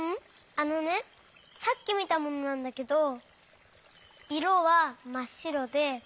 あのねさっきみたものなんだけどいろはまっしろで。